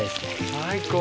最高！